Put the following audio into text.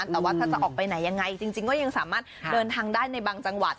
แต่ว่าถ้าจะออกไปไหนยังไงจริงก็ยังสามารถเดินทางได้ในบางจังหวัด